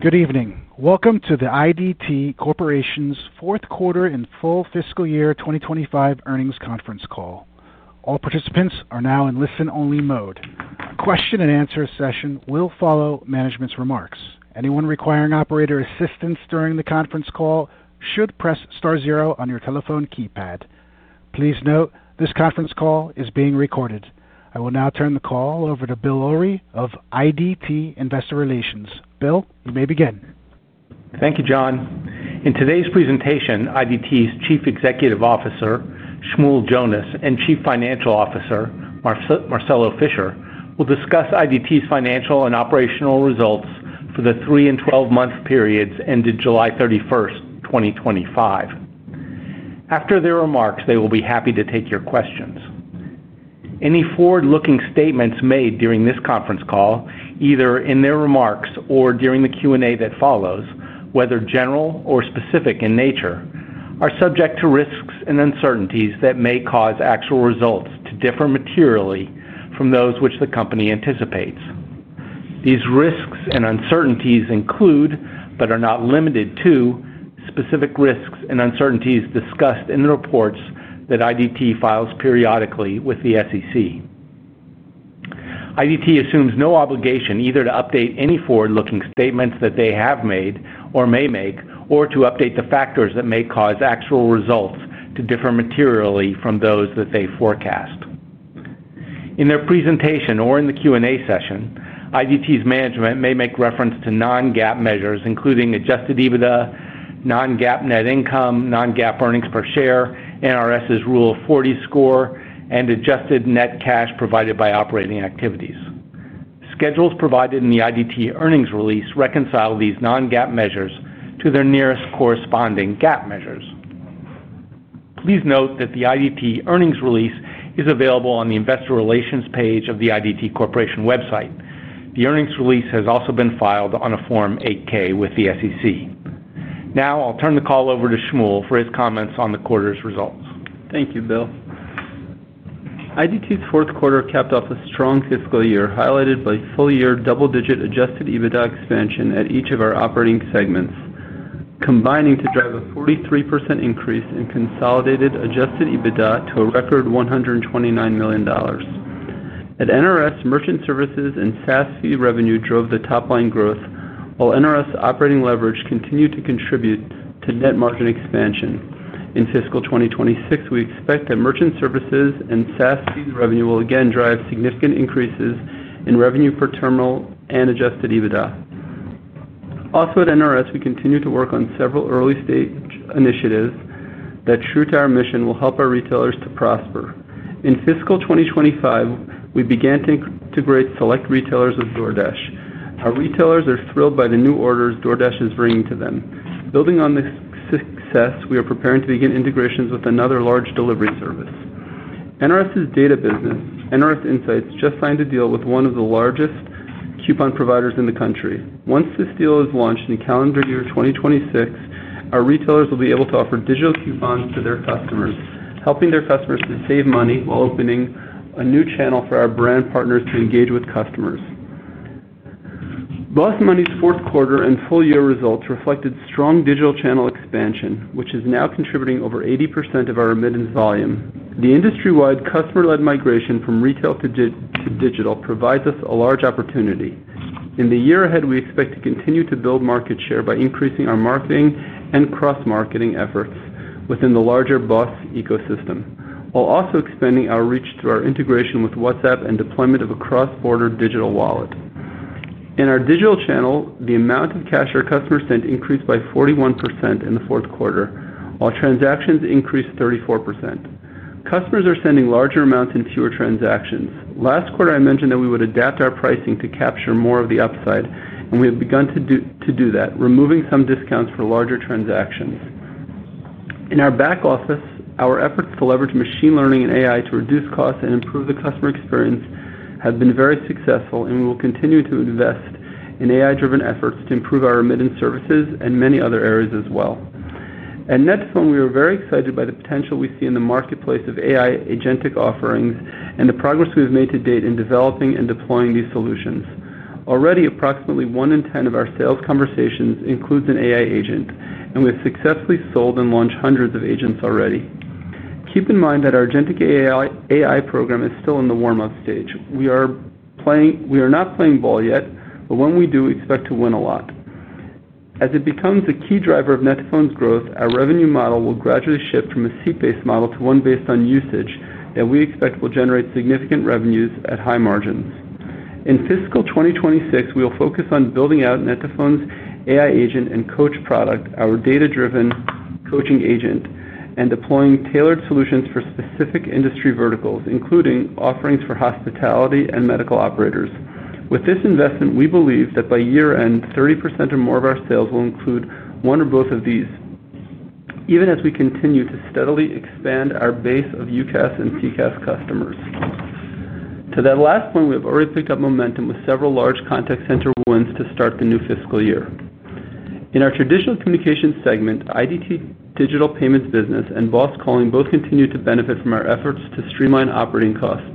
Good evening. Welcome to the IDT Corporation's fourth quarter and full fiscal year 2025 earnings conference call. All participants are now in listen-only mode. A question and answer session will follow management's remarks. Anyone requiring operator assistance during the conference call should press star zero on your telephone keypad. Please note this conference call is being recorded. I will now turn the call over to Bill Ulrey of IDT Investor Relations. Bill, you may begin. Thank you, John. In today's presentation, IDT's Chief Executive Officer, Shmuel Jonas, and Chief Financial Officer, Marcelo Fischer, will discuss IDT's financial and operational results for the three and twelve-month periods ending July 31, 2025. After their remarks, they will be happy to take your questions. Any forward-looking statements made during this conference call, either in their remarks or during the Q&A that follows, whether general or specific in nature, are subject to risks and uncertainties that may cause actual results to differ materially from those which the company anticipates. These risks and uncertainties include, but are not limited to, specific risks and uncertainties discussed in the reports that IDT files periodically with the SEC. IDT assumes no obligation either to update any forward-looking statements that they have made or may make, or to update the factors that may cause actual results to differ materially from those that they forecast. In their presentation or in the Q&A session, IDT's management may make reference to non-GAAP measures, including adjusted EBITDA, non-GAAP net income, non-GAAP earnings per share, NRS's Rule 40 score, and adjusted net cash provided by operating activities. Schedules provided in the IDT earnings release reconcile these non-GAAP measures to their nearest corresponding GAAP measures. Please note that the IDT earnings release is available on the Investor Relations page of the IDT Corporation website. The earnings release has also been filed on a Form 8-K with the SEC. Now, I'll turn the call over to Shmuel for his comments on the quarter's results. Thank you, Bill. IDT's fourth quarter capped off a strong fiscal year, highlighted by full-year double-digit adjusted EBITDA expansion at each of our operating segments, combining to drive a 43% increase in consolidated adjusted EBITDA to a record $129 million. At NRS, merchant services and SaaS fee revenue drove the top line growth, while NRS operating leverage continued to contribute to net margin expansion. In fiscal 2026, we expect that merchant services and SaaS fees revenue will again drive significant increases in revenue per terminal and adjusted EBITDA. Also, at NRS, we continue to work on several early-stage initiatives that, true to our mission, will help our retailers to prosper. In fiscal 2025, we began to integrate select retailers with DoorDash. Our retailers are thrilled by the new orders DoorDash is bringing to them. Building on this success, we are preparing to begin integrations with another large delivery service. NRS's data business, NRS Insights, just signed a deal with one of the largest coupon providers in the country. Once this deal is launched in calendar year 2026, our retailers will be able to offer digital coupons to their customers, helping their customers to save money while opening a new channel for our brand partners to engage with customers. BOSS Money's fourth quarter and full-year results reflected strong digital channel expansion, which is now contributing over 80% of our remittance volume. The industry-wide customer-led migration from retail to digital provides us a large opportunity. In the year ahead, we expect to continue to build market share by increasing our marketing and cross-marketing efforts within the larger BOSS ecosystem, while also expanding our reach through our integration with WhatsApp and deployment of a cross-border digital wallet. In our digital channel, the amount of cash our customers sent increased by 41% in the fourth quarter, while transactions increased 34%. Customers are sending larger amounts and fewer transactions. Last quarter, I mentioned that we would adapt our pricing to capture more of the upside, and we have begun to do that, removing some discounts for larger transactions. In our back office, our efforts to leverage machine learning and AI to reduce costs and improve the customer experience have been very successful, and we will continue to invest in AI-driven efforts to improve our remittance services and many other areas as well. At net2phone, we are very excited by the potential we see in the marketplace of AI agentic offerings and the progress we've made to date in developing and deploying these solutions. Already, approximately one in ten of our sales conversations include an AI agent, and we have successfully sold and launched hundreds of agents already. Keep in mind that our agentic AI program is still in the warm-up stage. We are not playing ball yet, but when we do, we expect to win a lot. As it becomes a key driver of net2phone's growth, our revenue model will gradually shift from a seat-based model to one based on usage, and we expect it will generate significant revenues at high margins. In fiscal 2026, we will focus on building out net2phone's AI agent and AI coach product, our data-driven coaching agent, and deploying tailored solutions for specific industry verticals, including offerings for hospitality and medical operators. With this investment, we believe that by year-end, 30% or more of our sales will include one or both of these, even as we continue to steadily expand our base of UCaaS and CCaaS customers. To that last point, we have already picked up momentum with several large contact center wins to start the new fiscal year. In our traditional communications segment, IDT Digital Payments business and BOSS Revolution Calling both continue to benefit from our efforts to streamline operating costs,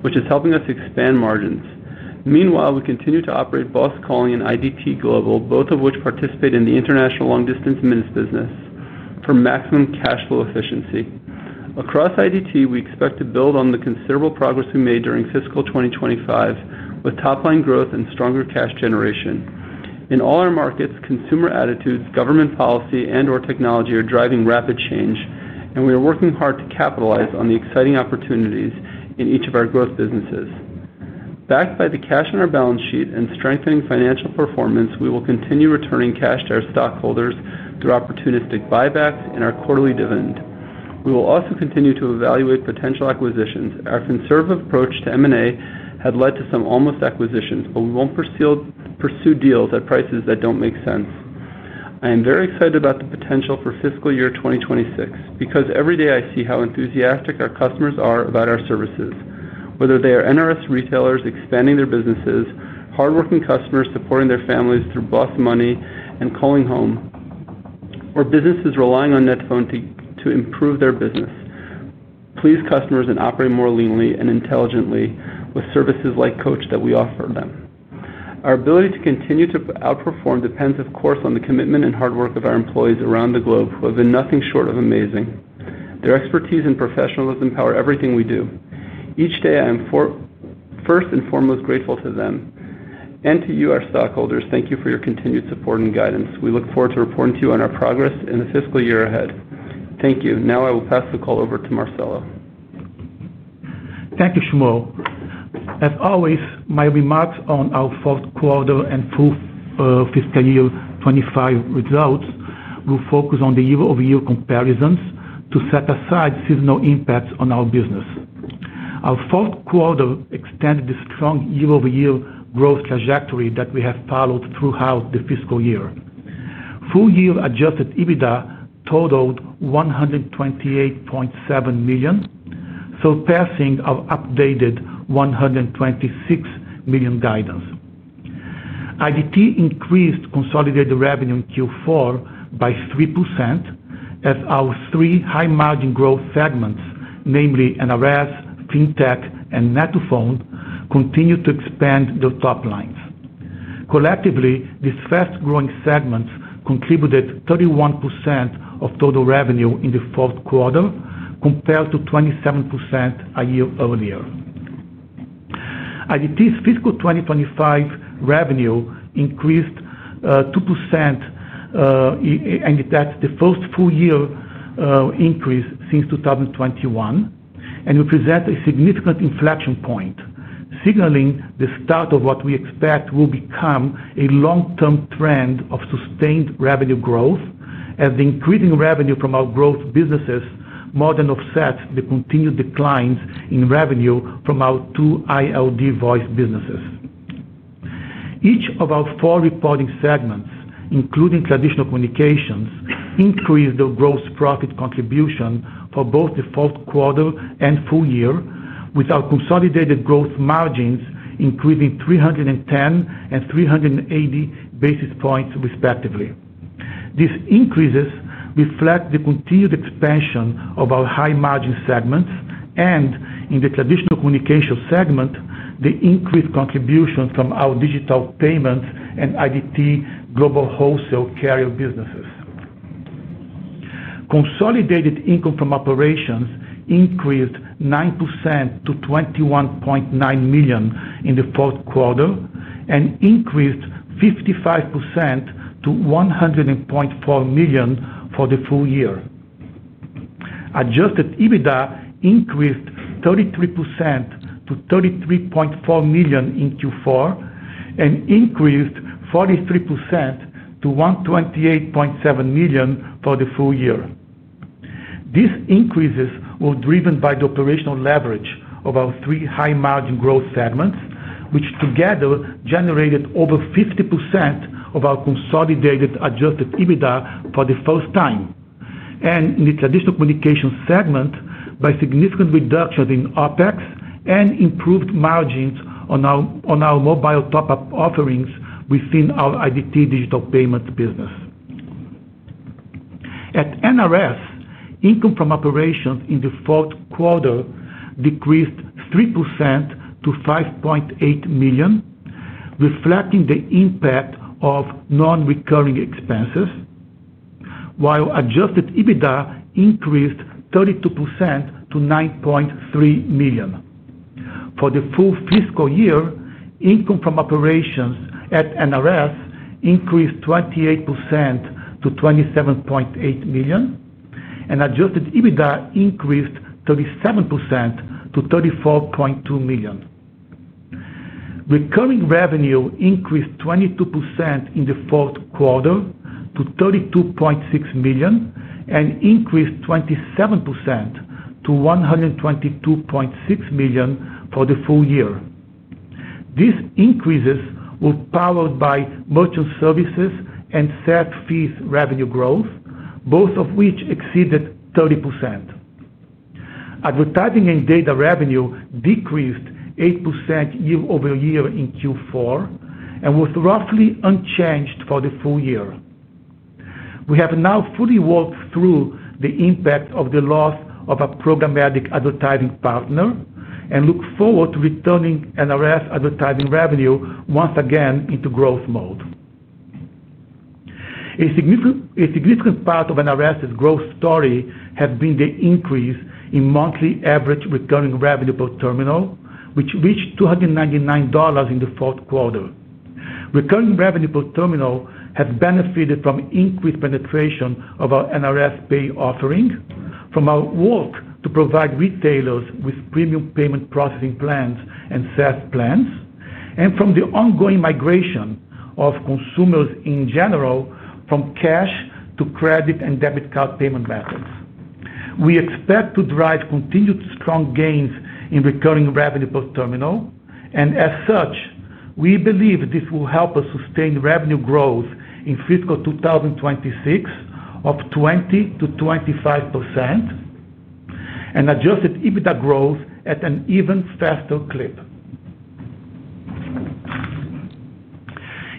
which is helping us expand margins. Meanwhile, we continue to operate BOSS Revolution Calling and IDT Global, both of which participate in the international long-distance minutes business for maximum cash flow efficiency. Across IDT Corporation, we expect to build on the considerable progress we made during fiscal 2025 with top-line growth and stronger cash generation. In all our markets, consumer attitudes, government policy, and/or technology are driving rapid change, and we are working hard to capitalize on the exciting opportunities in each of our growth businesses. Backed by the cash on our balance sheet and strengthening financial performance, we will continue returning cash to our stockholders through opportunistic buybacks and our quarterly dividend. We will also continue to evaluate potential acquisitions. Our conservative approach to M&A has led to some almost acquisitions, but we won't pursue deals at prices that don't make sense. I am very excited about the potential for fiscal year 2026 because every day I see how enthusiastic our customers are about our services, whether they are NRS retailers expanding their businesses, hardworking customers supporting their families through BOSS Money and Calling Home, or businesses relying on net2phone to improve their business. Please customers and operate more leanly and intelligently with services like AI coach that we offer them. Our ability to continue to outperform depends, of course, on the commitment and hard work of our employees around the globe who have been nothing short of amazing. Their expertise and professionalism power everything we do. Each day, I am first and foremost grateful to them and to you, our stockholders. Thank you for your continued support and guidance. We look forward to reporting to you on our progress in the fiscal year ahead. Thank you. Now I will pass the call over to Marcelo. Thank you, Shmuel. As always, my remarks on our fourth quarter and full fiscal year 2025 results will focus on the year-over-year comparisons to set aside seasonal impacts on our business. Our fourth quarter extended the strong year-over-year growth trajectory that we have followed throughout the fiscal year. Full-year adjusted EBITDA totaled $128.7 million, surpassing our updated $126 million guidance. IDT increased consolidated revenue in Q4 by 3% as our three high-margin growth segments, namely NRS, FinTech, and Net2phone, continue to expand their top lines. Collectively, these fast-growing segments contributed 31% of total revenue in the fourth quarter compared to 27% a year earlier. IDT's fiscal 2025 revenue increased 2%, and that's the first full-year increase since 2021, and represents a significant inflection point, signaling the start of what we expect will become a long-term trend of sustained revenue growth as the increasing revenue from our growth businesses more than offsets the continued declines in revenue from our two ILD voice businesses. Each of our four reporting segments, including traditional communications, increased their gross profit contribution for both the fourth quarter and full year, with our consolidated gross margins increasing 310 and 380 basis points, respectively. These increases reflect the continued expansion of our high-margin segments, and in the traditional communications segment, the increased contributions from our digital payments and IDT Global wholesale carrier businesses. Consolidated income from operations increased 9% to $21.9 million in the fourth quarter and increased 55% to $100.4 million for the full year. Adjusted EBITDA increased 33% to $33.4 million in Q4 and increased 43% to $128.7 million for the full year. These increases were driven by the operational leverage of our three high-margin growth segments, which together generated over 50% of our consolidated adjusted EBITDA for the first time, and in the traditional communications segment, by significant reductions in OpEx and improved margins on our mobile top-up offerings within our IDT Digital Payments business. At NRS, income from operations in the fourth quarter decreased 3% to $5.8 million, reflecting the impact of non-recurring expenses, while adjusted EBITDA increased 32% to $9.3 million. For the full fiscal year, income from operations at NRS increased 28% to $27.8 million, and adjusted EBITDA increased 37% to $34.2 million. Recurring revenue increased 22% in the fourth quarter to $32.6 million and increased 27% to $122.6 million for the full year. These increases were powered by merchant services and SaaS fee revenue growth, both of which exceeded 30%. Advertising and data revenue decreased 8% year-over-year in Q4 and was roughly unchanged for the full year. We have now fully walked through the impact of the loss of a programmatic advertising partner and look forward to returning NRS advertising revenue once again into growth mode. A significant part of NRS's growth story has been the increase in monthly average recurring revenue per terminal, which reached $299 in the fourth quarter. Recurring revenue per terminal has benefited from increased penetration of our NRS pay offering, from our work to provide retailers with premium payment processing plans and SaaS plans, and from the ongoing migration of consumers in general from cash to credit and debit card payment methods. We expect to drive continued strong gains in recurring revenue per terminal, and as such, we believe this will help us sustain revenue growth in fiscal 2026 of 20% to 25% and adjusted EBITDA growth at an even faster clip.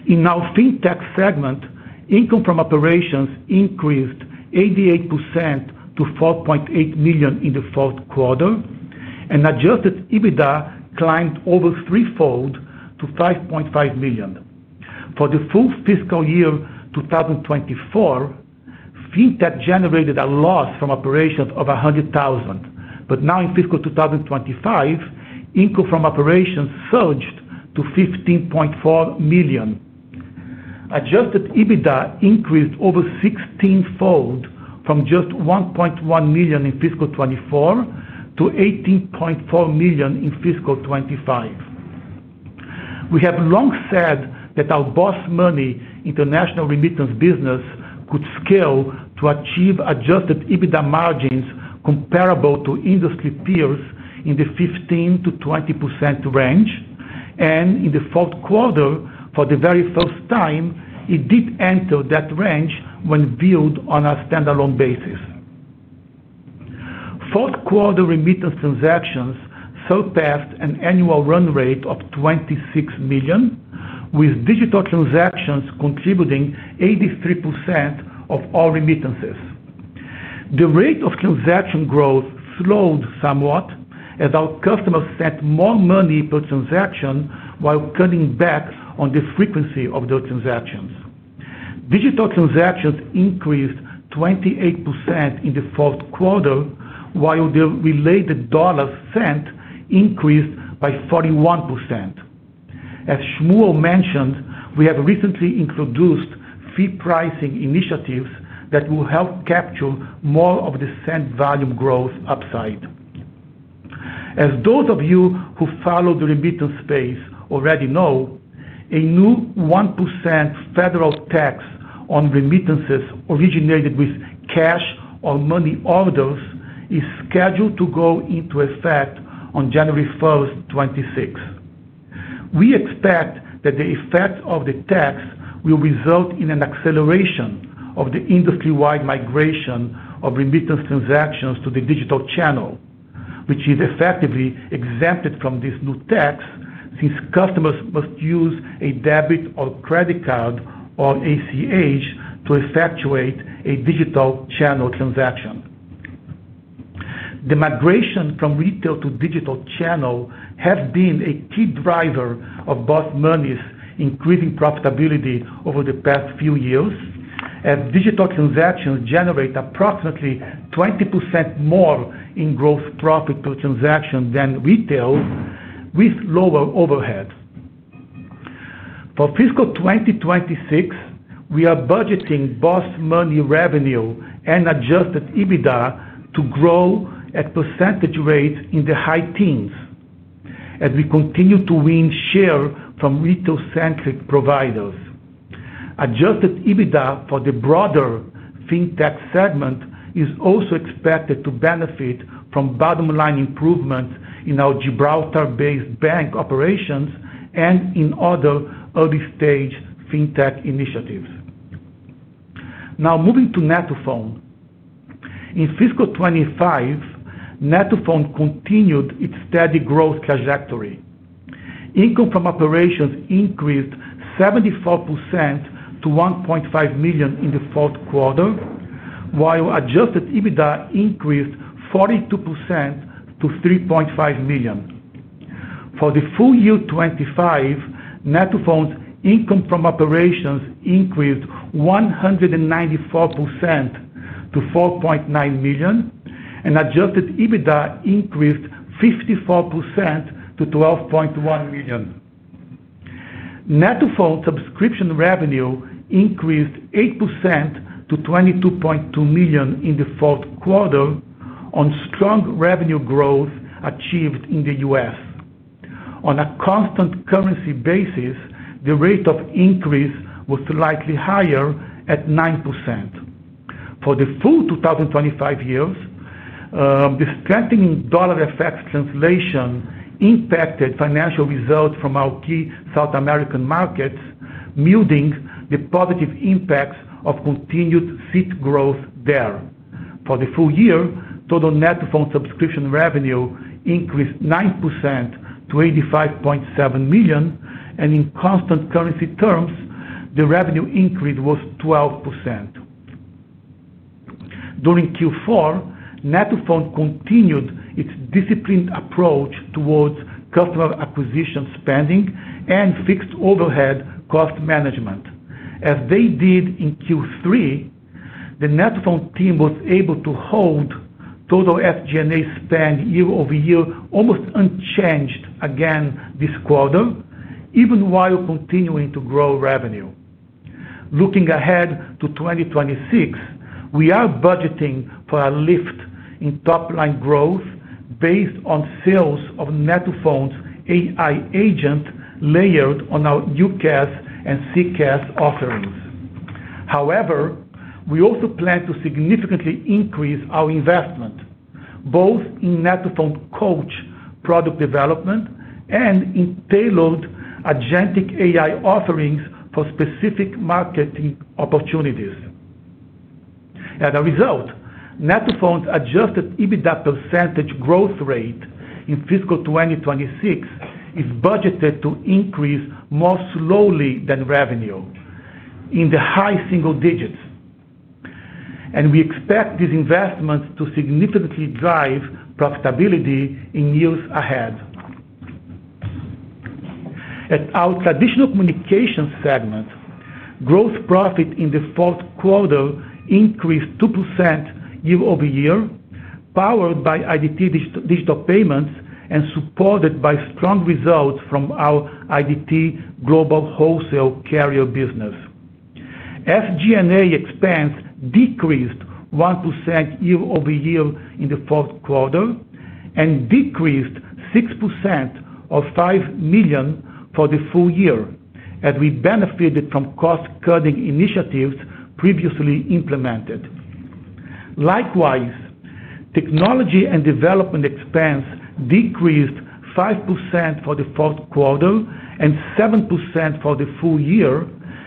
In our FinTech segment, income from operations increased 88% to $4.8 million in the fourth quarter, and adjusted EBITDA climbed over threefold to $5.5 million. For the full fiscal year 2024, FinTech generated a loss from operations of $100,000, but now in fiscal 2025, income from operations surged to $15.4 million. Adjusted EBITDA increased over 16-fold from just $1.1 million in fiscal 2024 to $18.4 million in fiscal 2025. We have long said that our BOSS Money international remittance business could scale to achieve adjusted EBITDA margins comparable to industry peers in the 15% to 20% range, and in the fourth quarter, for the very first time, it did enter that range when viewed on a standalone basis. Fourth quarter remittance transactions surpassed an annual run rate of $26 million, with digital transactions contributing 83% of all remittances. The rate of transaction growth slowed somewhat as our customers sent more money per transaction while cutting back on the frequency of their transactions. Digital transactions increased 28% in the fourth quarter, while the related dollars sent increased by 41%. As Shmuel mentioned, we have recently introduced fee pricing initiatives that will help capture more of the sent volume growth upside. As those of you who follow the remittance space already know, a new 1% federal tax on remittances originated with cash or money orders is scheduled to go into effect on January 1, 2026. We expect that the effect of the tax will result in an acceleration of the industry-wide migration of remittance transactions to the digital channel, which is effectively exempted from this new tax since customers must use a debit or credit card or ACH to effectuate a digital channel transaction. The migration from retail to digital channel has been a key driver of BOSS Money's increasing profitability over the past few years, as digital transactions generate approximately 20% more in gross profit per transaction than retail with lower overhead. For fiscal 2026, we are budgeting BOSS Money revenue and adjusted EBITDA to grow at percentage rates in the high teens, as we continue to win share from retail-centric providers. Adjusted EBITDA for the broader FinTech segment is also expected to benefit from bottom-line improvements in our Gibraltar-based bank operations and in other early-stage FinTech initiatives. Now, moving to net2phone. In fiscal 2025, net2phone continued its steady growth trajectory. Income from operations increased 74% to $1.5 million in the fourth quarter, while adjusted EBITDA increased 42% to $3.5 million. For the full year 2025, net2phone's income from operations increased 194% to $4.9 million, and adjusted EBITDA increased 54% to $12.1 million. net2phone's subscription revenue increased 8% to $22.2 million in the fourth quarter on strong revenue growth achieved in the U.S. On a constant currency basis, the rate of increase was slightly higher at 9%. For the full 2025 year, the strengthening dollar effects translation impacted financial results from our key South American markets, muting the positive impacts of continued seat growth there. For the full year, total net2phone subscription revenue increased 9% to $85.7 million, and in constant currency terms, the revenue increase was 12%. During Q4, net2phone continued its disciplined approach towards customer acquisition spending and fixed overhead cost management. As they did in Q3, the net2phone team was able to hold total SG&A spend year-over-year almost unchanged again this quarter, even while continuing to grow revenue. Looking ahead to 2026, we are budgeting for a lift in top-line growth based on sales of net2phone's AI agent layered on our UCaaS and CCaaS offerings. However, we also plan to significantly increase our investment, both in Net2phone Coach product development and in tailored agentic AI offerings for specific marketing opportunities. As a result, Net2phone's adjusted EBITDA percentage growth rate in fiscal 2026 is budgeted to increase more slowly than revenue in the high single digits, and we expect these investments to significantly drive profitability in years ahead. At our traditional communications segment, gross profit in the fourth quarter increased 2% year-over-year, powered by IDT Digital Payments and supported by strong results from our IDT Global wholesale carrier business. As SG&A expense decreased 1% year-over-year in the fourth quarter and decreased 6% or $5 million for the full year, we benefited from cost-cutting initiatives previously implemented. Likewise, technology and development expense decreased 5% for the fourth quarter and 7% for the full year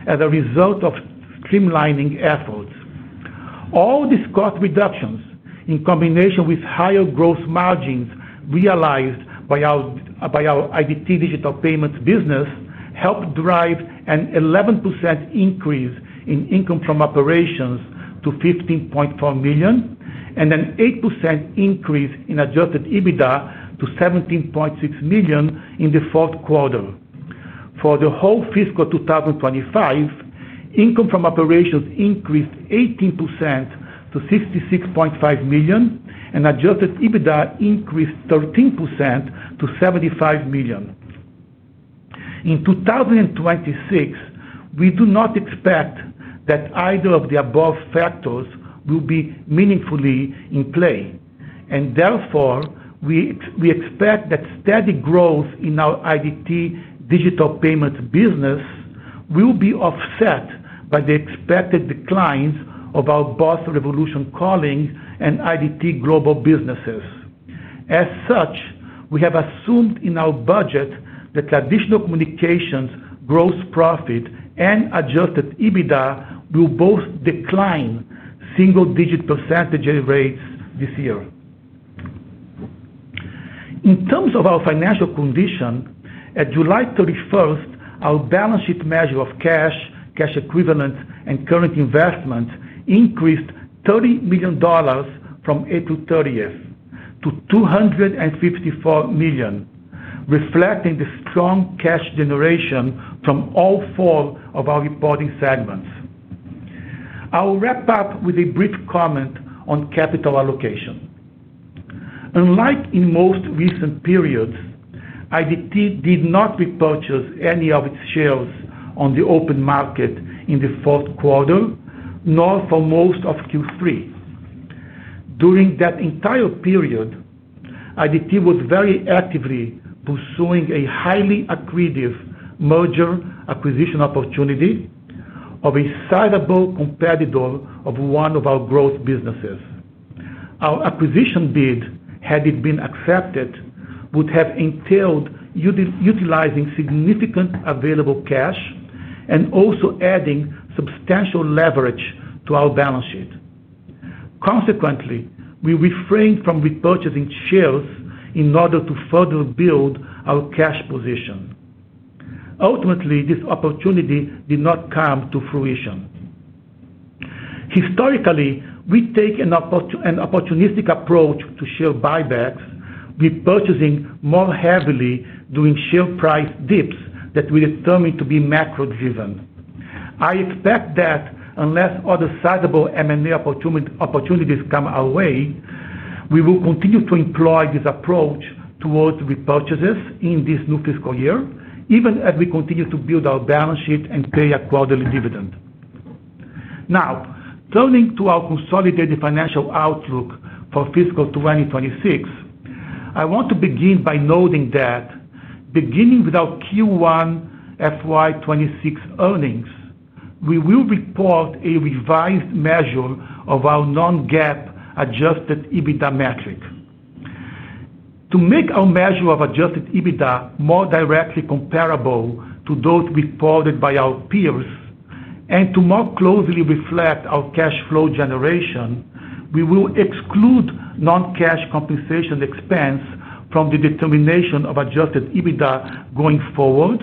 as a result of streamlining efforts. All these cost reductions, in combination with higher gross margins realized by our IDT Digital Payments business, helped drive an 11% increase in income from operations to $15.4 million and an 8% increase in adjusted EBITDA to $17.6 million in the fourth quarter. For the whole fiscal 2025, income from operations increased 18% to $66.5 million, and adjusted EBITDA increased 13% to $75 million. In 2026, we do not expect that either of the above factors will be meaningfully in play, and therefore, we expect that steady growth in our IDT Digital Payments business will be offset by the expected declines of our BOSS Revolution Calling and IDT Global businesses. As such, we have assumed in our budget that traditional communications gross profit and adjusted EBITDA will both decline single-digit percentage rates this year. In terms of our financial condition, at July 31st, our balance sheet measure of cash, cash equivalents, and current investments increased $30 million from April 30th to $254 million, reflecting the strong cash generation from all four of our reporting segments. I will wrap up with a brief comment on capital allocation. Unlike in most recent periods, IDT did not repurchase any of its shares on the open market in the fourth quarter, nor for most of Q3. During that entire period, IDT was very actively pursuing a highly accretive merger acquisition opportunity of a sizable competitor of one of our growth businesses. Our acquisition bid, had it been accepted, would have entailed utilizing significant available cash and also adding substantial leverage to our balance sheet. Consequently, we refrained from repurchasing shares in order to further build our cash position. Ultimately, this opportunity did not come to fruition. Historically, we take an opportunistic approach to share buybacks, repurchasing more heavily during share price dips that we determine to be macro-driven. I expect that unless other sizable M&A opportunities come our way, we will continue to employ this approach towards repurchases in this new fiscal year, even as we continue to build our balance sheet and pay a quarterly dividend. Now, turning to our consolidated financial outlook for fiscal 2026, I want to begin by noting that, beginning with our Q1 FY26 earnings, we will report a revised measure of our non-GAAP adjusted EBITDA metric. To make our measure of adjusted EBITDA more directly comparable to those reported by our peers and to more closely reflect our cash flow generation, we will exclude non-cash compensation expense from the determination of adjusted EBITDA going forward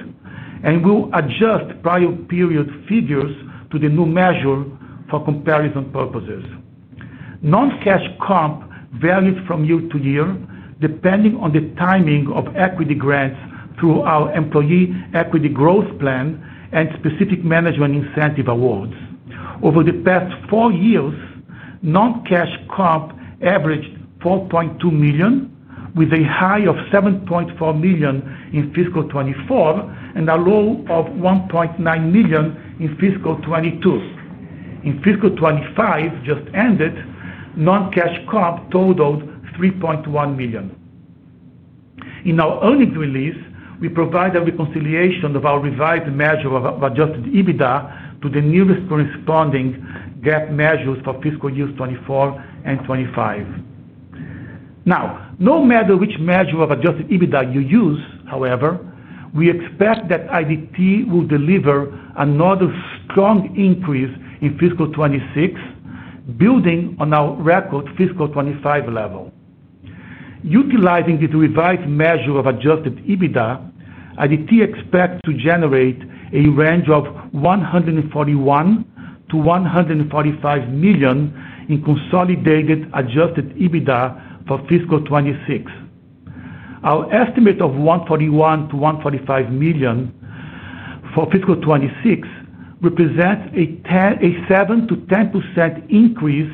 and will adjust prior period figures to the new measure for comparison purposes. Non-cash comp varies from year to year, depending on the timing of equity grants through our employee equity growth plan and specific management incentive awards. Over the past four years, non-cash comp averaged $4.2 million, with a high of $7.4 million in fiscal 2024 and a low of $1.9 million in fiscal 2022. In fiscal 2025, just ended, non-cash comp totaled $3.1 million. In our earnings release, we provide a reconciliation of our revised measure of adjusted EBITDA to the newest corresponding GAAP measures for fiscal years 2024 and 2025. Now, no matter which measure of adjusted EBITDA you use, however, we expect that IDT will deliver another strong increase in fiscal 2026, building on our record fiscal 2025 level. Utilizing this revised measure of adjusted EBITDA, IDT expects to generate a range of $141 to $145 million in consolidated adjusted EBITDA for fiscal 2026. Our estimate of $141 to $145 million for fiscal 2026 represents a 7% to 10% increase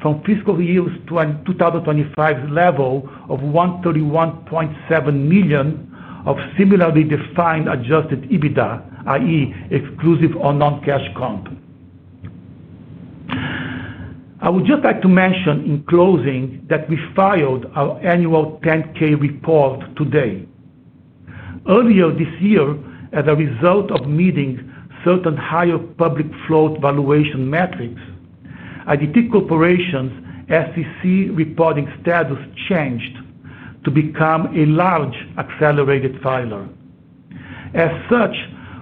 from fiscal year 2025's level of $131.7 million of similarly defined adjusted EBITDA, i.e., exclusive of non-cash comp. I would just like to mention in closing that we filed our annual 10-K report today. Earlier this year, as a result of meeting certain higher public float valuation metrics, IDT Corporation's SEC reporting status changed to become a large accelerated filer. As such,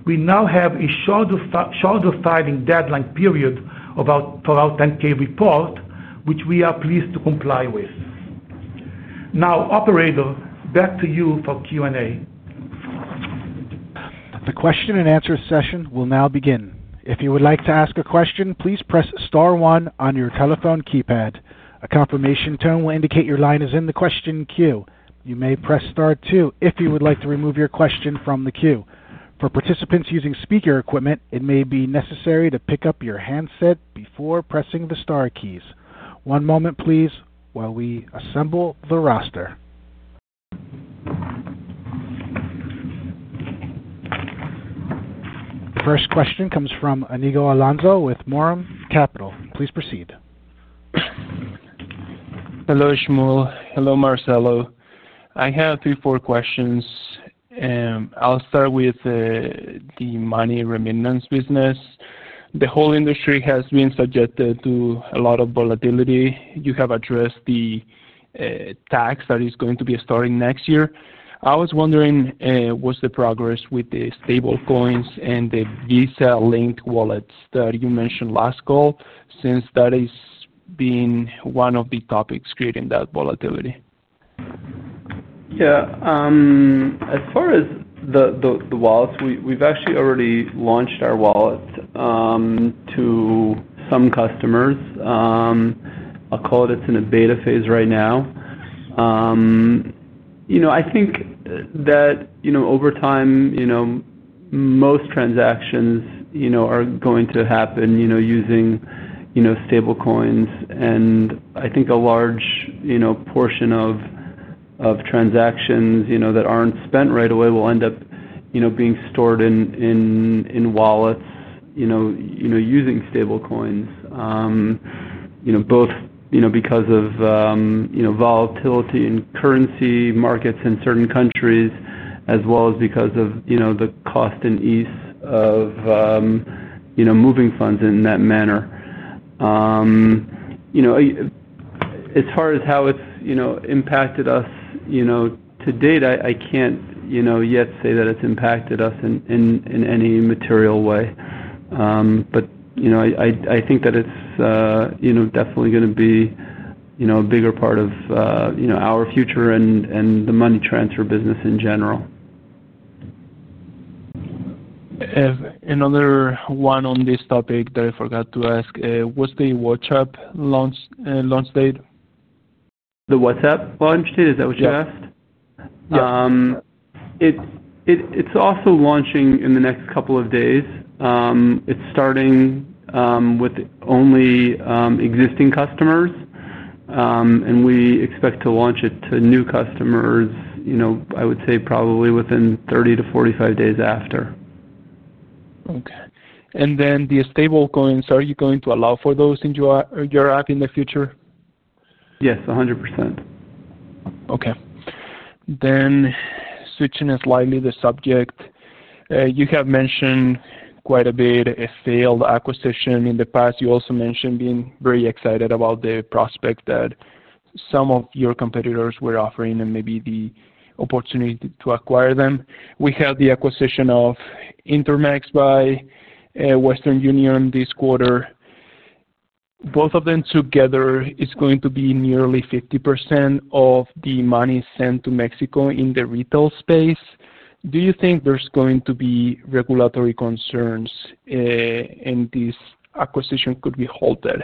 we now have a shorter filing deadline period for our 10-K report, which we are pleased to comply with. Now, operator, back to you for Q&A. The question and answer session will now begin. If you would like to ask a question, please press star one on your telephone keypad. A confirmation tone will indicate your line is in the question queue. You may press star two if you would like to remove your question from the queue. For participants using speaker equipment, it may be necessary to pick up your handset before pressing the star keys. One moment, please, while we assemble the roster. First question comes from Anigo Alonso with Morum Capital. Please proceed. Hello, Shmuel. Hello, Marcelo. I have three or four questions. I'll start with the money remittance business. The whole industry has been subjected to a lot of volatility. You have addressed the tax that is going to be starting next year. I was wondering, what's the progress with the stablecoins and the Visa-linked wallets that you mentioned last call, since that has been one of the topics creating that volatility? As far as the wallets, we've actually already launched our wallets to some customers. I'll call it it's in a beta phase right now. I think that, over time, most transactions are going to happen using stable coins. I think a large portion of transactions that aren't spent right away will end up being stored in wallets using stable coins, both because of volatility in currency markets in certain countries, as well as because of the cost and ease of moving funds in that manner. As far as how it's impacted us to date, I can't yet say that it's impacted us in any material way. I think that it's definitely going to be a bigger part of our future and the money transfer business in general. Another one on this topic that I forgot to ask. What's the WhatsApp launch date? The WhatsApp launch date? Is that what you asked? Yeah. It's also launching in the next couple of days. It's starting with only existing customers, and we expect to launch it to new customers, I would say probably within 30 to 45 days after. Okay. Are you going to allow for those in your app in the future? Yes, 100%. Okay. Switching slightly the subject, you have mentioned quite a bit a failed acquisition in the past. You also mentioned being very excited about the prospect that some of your competitors were offering and maybe the opportunity to acquire them. We have the acquisition of Intermex by Western Union this quarter. Both of them together are going to be nearly 50% of the money sent to Mexico in the retail space. Do you think there's going to be regulatory concerns, and this acquisition could be halted?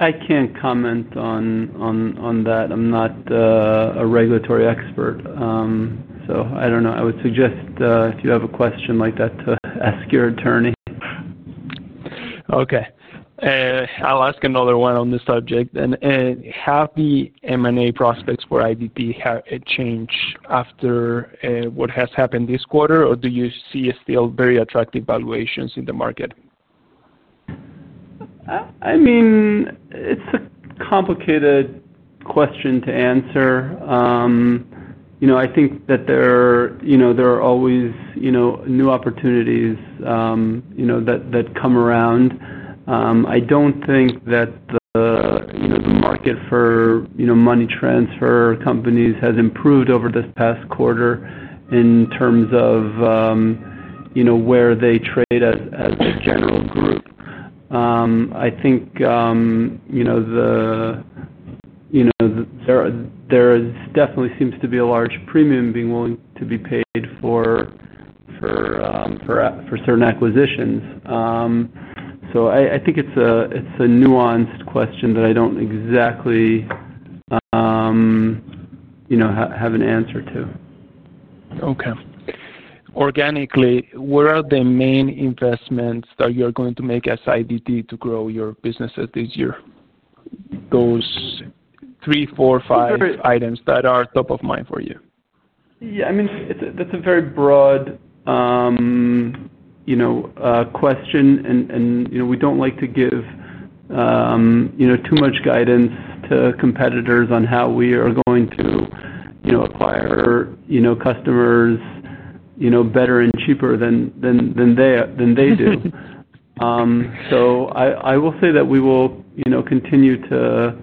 I can't comment on that. I'm not a regulatory expert, so I don't know. I would suggest if you have a question like that to ask your attorney. I'll ask another one on this subject. Have the M&A prospects for IDT changed after what has happened this quarter, or do you see still very attractive valuations in the market? It's a complicated question to answer. I think that there are always new opportunities that come around. I don't think that the market for money transfer companies has improved over this past quarter in terms of where they trade as a general group. There definitely seems to be a large premium being willing to be paid for certain acquisitions. I think it's a nuanced question that I don't exactly have an answer to. Okay. Organically, what are the main investments that you're going to make as IDT to grow your businesses this year? Those three, four, five items that are top of mind for you. Yeah, I mean, that's a very broad question. We don't like to give too much guidance to competitors on how we are going to acquire customers better and cheaper than they do. I will say that we will continue to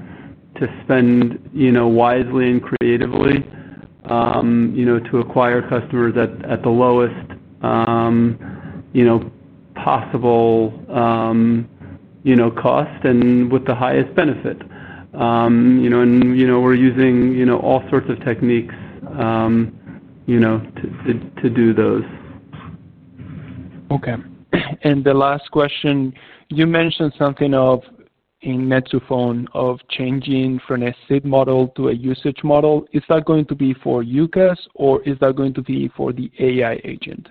spend wisely and creatively to acquire customers at the lowest possible cost and with the highest benefit. We're using all sorts of techniques to do those. Okay. The last question, you mentioned something in net2phone of changing from a seat model to a usage model. Is that going to be for UCaaS, or is that going to be for the AI agent?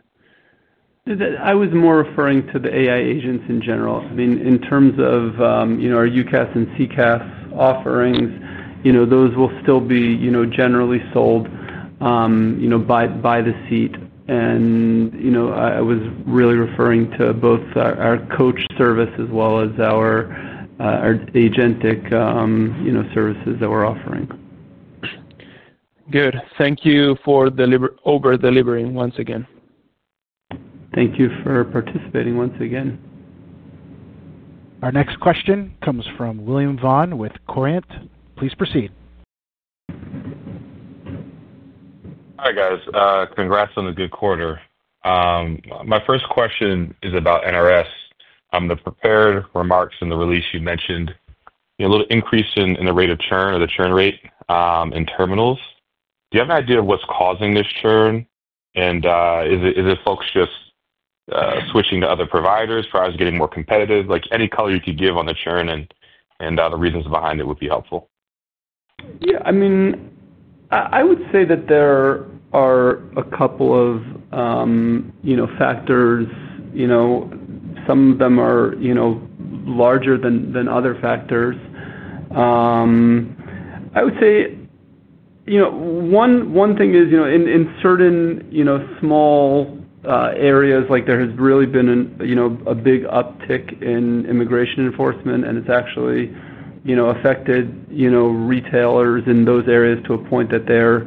I was more referring to the AI agents in general. I mean, in terms of our UCaaS and CCaaS offerings, those will still be generally sold by the seat. I was really referring to both our AI coach service as well as our agentic services that we're offering. Good. Thank you for over-delivering once again. Thank you for participating once again. Our next question comes from William Vaughn with Coriant. Please proceed. Hi, guys. Congrats on the good quarter. My first question is about NRS. In the prepared remarks in the release, you mentioned a little increase in the rate of churn or the churn rate in terminals. Do you have an idea of what's causing this churn? Is it folks just switching to other providers? Probably getting more competitive. Any color you could give on the churn and the reasons behind it would be helpful. Yeah. I mean, I would say that there are a couple of factors. Some of them are larger than other factors. I would say one thing is, in certain small areas, there has really been a big uptick in immigration enforcement, and it's actually affected retailers in those areas to a point that they're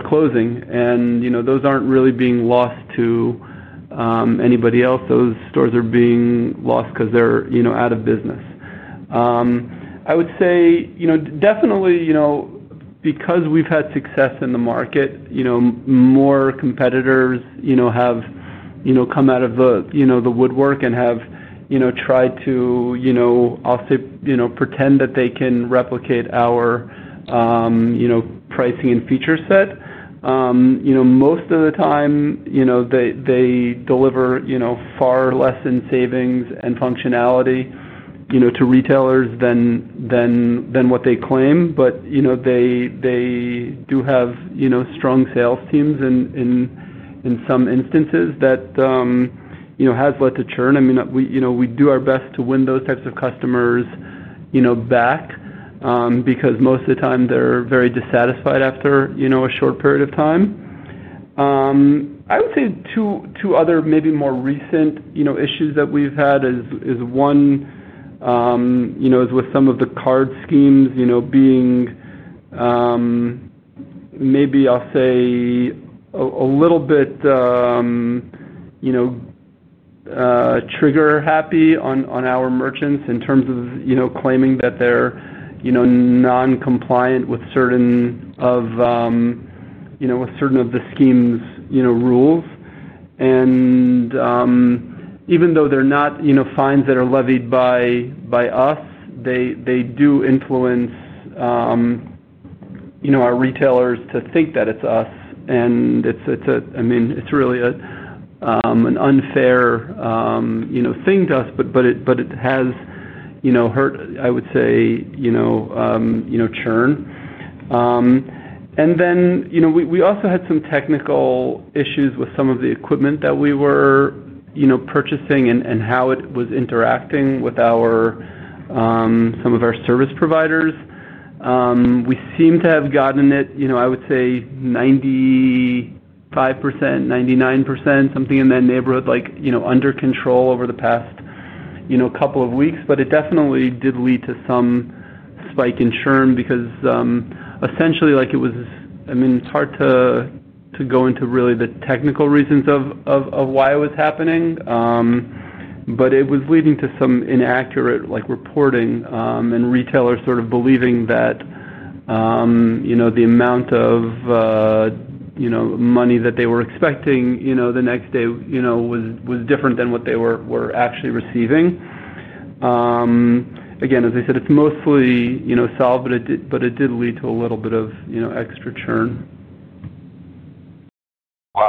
closing. Those aren't really being lost to anybody else. Those stores are being lost because they're out of business. I would say definitely, because we've had success in the market, more competitors have come out of the woodwork and have tried to, I'll say, pretend that they can replicate our pricing and feature set. Most of the time, they deliver far less in savings and functionality to retailers than what they claim. They do have strong sales teams in some instances that have led to churn. We do our best to win those types of customers back because most of the time they're very dissatisfied after a short period of time. I would say two other maybe more recent issues that we've had is one is with some of the card schemes being, maybe I'll say, a little bit trigger-happy on our merchants in terms of claiming that they're non-compliant with certain of the schemes' rules. Even though they're not fines that are levied by us, they do influence our retailers to think that it's us. It's really an unfair thing to us. It has hurt, I would say, churn. We also had some technical issues with some of the equipment that we were purchasing and how it was interacting with some of our service providers. We seem to have gotten it, I would say, 95%, 99%, something in that neighborhood, under control over the past couple of weeks. It definitely did lead to some spike in churn because, essentially, it was, I mean, it's hard to go into really the technical reasons of why it was happening. It was leading to some inaccurate reporting, and retailers sort of believing that the amount of money that they were expecting the next day was different than what they were actually receiving. Again, as I said, it's mostly solved, but it did lead to a little bit of extra churn.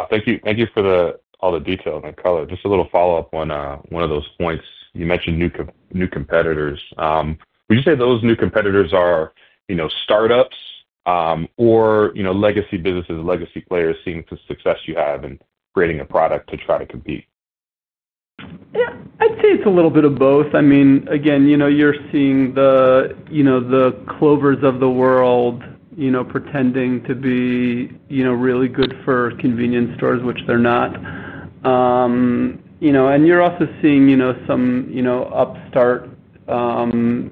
Thank you. Thank you for all the detail there, Carla. Just a little follow-up on one of those points. You mentioned new competitors. Would you say those new competitors are startups or legacy businesses, legacy players seeing the success you have in creating a product to try to compete? I'd say it's a little bit of both. I mean, again, you're seeing the Clovers of the world pretending to be really good for convenience stores, which they're not. You're also seeing some upstart companies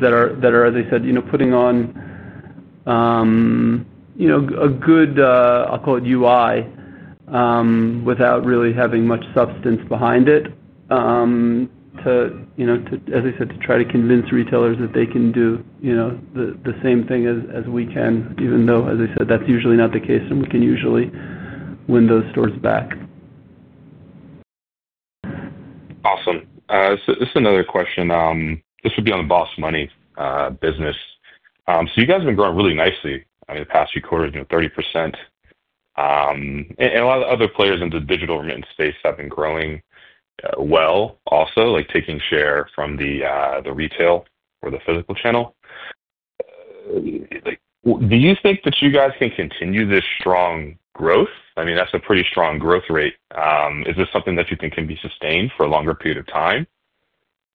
that are, as I said, putting on a good, I'll call it UI, without really having much substance behind it to, as I said, try to convince retailers that they can do the same thing as we can, even though, as I said, that's usually not the case, and we can usually win those stores back. Awesome. This is another question. This would be on the BOSS Money business. You guys have been growing really nicely, I mean, the past few quarters, you know, 30%. A lot of the other players in the digital space have been growing well also, like taking share from the retail or the physical channel. Do you think that you guys can continue this strong growth? I mean, that's a pretty strong growth rate. Is this something that you think can be sustained for a longer period of time?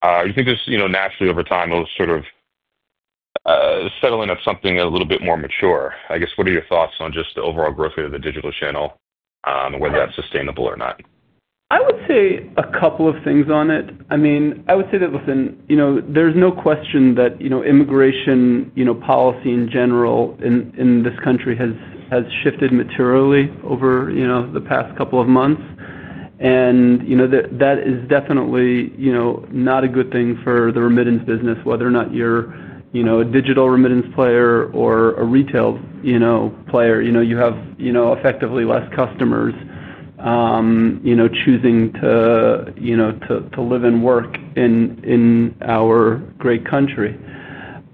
Do you think this, you know, naturally over time, it'll sort of settle in at something a little bit more mature? I guess, what are your thoughts on just the overall growth rate of the digital channel and whether that's sustainable or not? I would say a couple of things on it. I mean, I would say that, listen, there's no question that immigration policy in general in this country has shifted materially over the past couple of months. That is definitely not a good thing for the remittance business, whether or not you're a digital remittance player or a retail player. You have effectively less customers choosing to live and work in our great country.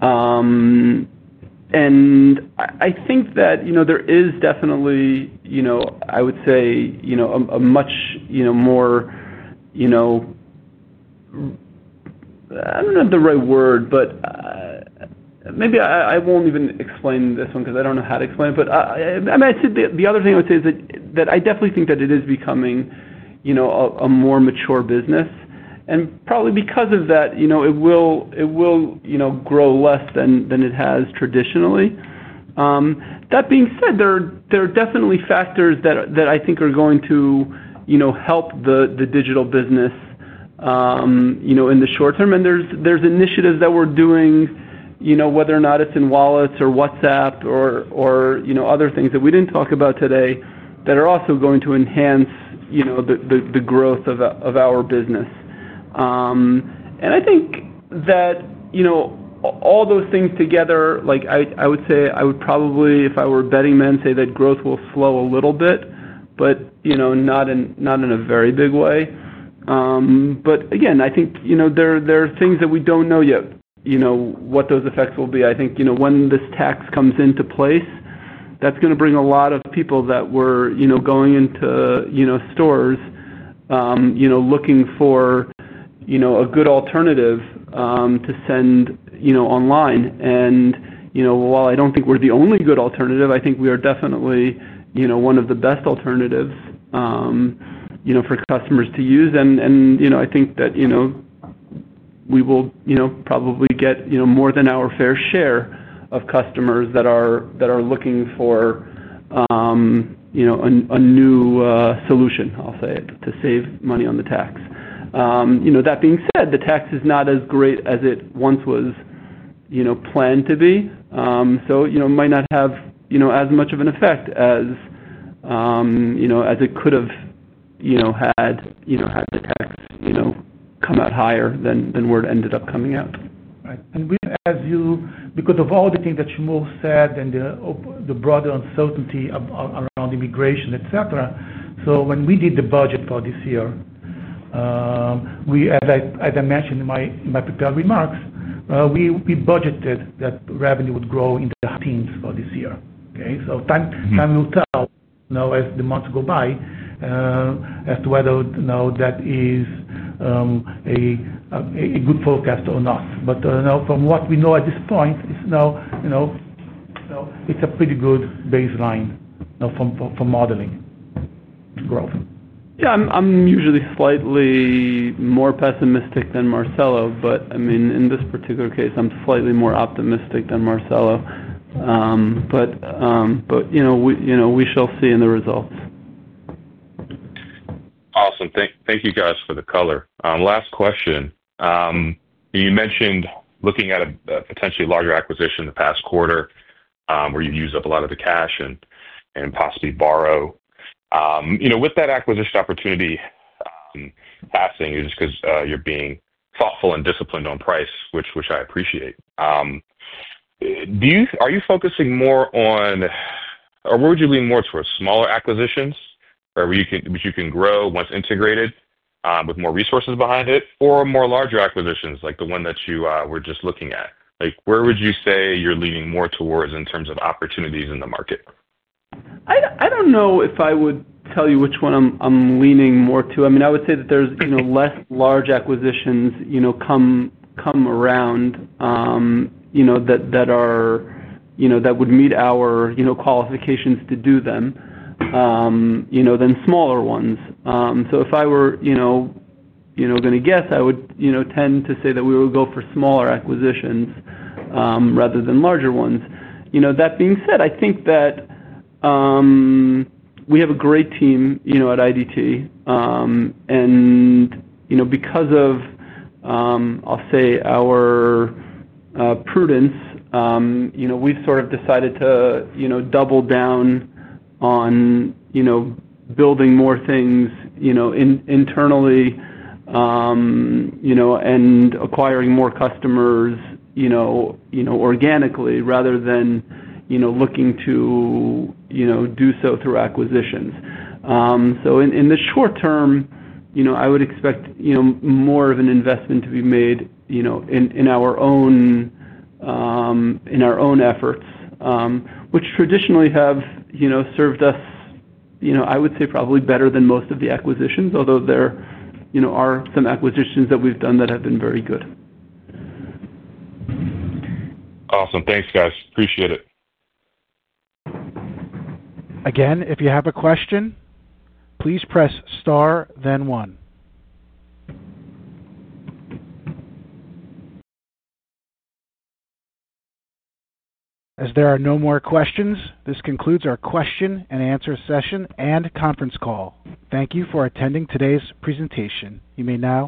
I think that there is definitely, I would say, a much more, I don't know the right word, but maybe I won't even explain this one because I don't know how to explain it. The other thing I would say is that I definitely think that it is becoming a more mature business. Probably because of that, it will grow less than it has traditionally. That being said, there are definitely factors that I think are going to help the digital business in the short term. There are initiatives that we're doing, whether or not it's in wallets or WhatsApp or other things that we didn't talk about today that are also going to enhance the growth of our business. I think that all those things together, I would probably, if I were a betting man, say that growth will slow a little bit, but not in a very big way. Again, I think there are things that we don't know yet, what those effects will be. I think when this tax comes into place, that's going to bring a lot of people that were going into stores looking for a good alternative to send online. While I don't think we're the only good alternative, I think we are definitely one of the best alternatives for customers to use. I think that we will probably get more than our fair share of customers that are looking for a new solution, I'll say it, to save money on the tax. That being said, the tax is not as great as it once was planned to be, so it might not have as much of an effect as it could have had, had the tax come out higher than where it ended up coming out. Right. As you know, because of all the things that Shmuel said and the broader uncertainty around immigration, et cetera, when we did the budget for this year, as I mentioned in my prepared remarks, we budgeted that revenue would grow in the teens for this year. Time will tell, as the months go by, as to whether that is a good forecast or not. From what we know at this point, it's a pretty good baseline for modeling growth. Yeah. I'm usually slightly more pessimistic than Marcelo, but in this particular case, I'm slightly more optimistic than Marcelo. You know, we shall see in the results. Awesome. Thank you, guys, for the color. Last question. You mentioned looking at a potentially larger acquisition in the past quarter where you use up a lot of the cash and possibly borrow. With that acquisition opportunity passing, it's just because you're being thoughtful and disciplined on price, which I appreciate. Are you focusing more on, or would you lean more towards smaller acquisitions where you can grow once integrated with more resources behind it, or more larger acquisitions like the one that you were just looking at? Where would you say you're leaning more towards in terms of opportunities in the market? I don't know if I would tell you which one I'm leaning more to. I would say that there's less large acquisitions come around that would meet our qualifications to do them than smaller ones. If I were going to guess, I would tend to say that we would go for smaller acquisitions rather than larger ones. That being said, I think that we have a great team at IDT. Because of our prudence, we've sort of decided to double down on building more things internally and acquiring more customers organically rather than looking to do so through acquisitions. In the short term, I would expect more of an investment to be made in our own efforts, which traditionally have served us, I would say, probably better than most of the acquisitions, although there are some acquisitions that we've done that have been very good. Awesome. Thanks, guys. Appreciate it. Again, if you have a question, please press star, then one. As there are no more questions, this concludes our question and answer session and conference call. Thank you for attending today's presentation. You may now disconnect.